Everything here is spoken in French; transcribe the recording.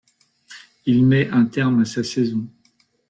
Il met un terme à sa saison.